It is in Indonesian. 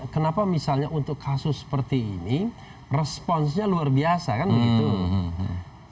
kenapa misalnya untuk kasus seperti ini responsnya luar biasa kan begitu